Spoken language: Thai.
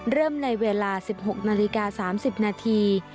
เริ่มในเวลา๑๖นาฬิกา๓๐นาที